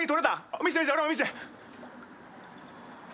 見せて、見せて、俺も見せて！